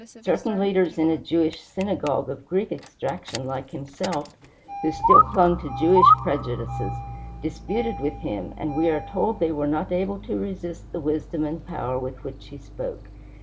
Certain leaders in a Jewish synagogue, of Greek extraction like himself, who still clung to Jewish prejudices, disputed with him, and we are told they were not able to resist the wisdom and power with which he spoke.